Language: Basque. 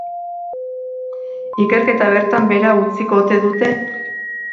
Ikerketa bertan behera utziko ote dute?